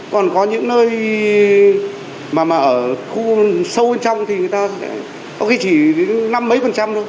còn có những nơi mà ở khu sâu trong thì người ta sẽ có khi chỉ đến năm mấy phần trăm thôi